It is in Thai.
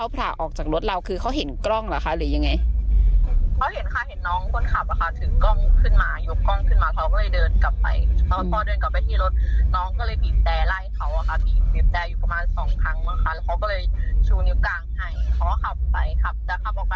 เพราะว่าขับไปจะขับออกไปขับแบบทะเลาะนะขับเด็กขับเด็ก